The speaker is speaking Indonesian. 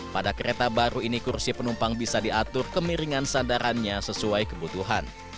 pada kereta baru ini kursi penumpang bisa diatur kemiringan sadarannya sesuai kebutuhan